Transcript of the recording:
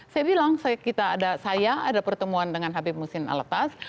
saya bilang saya ada pertemuan dengan habib musin al attas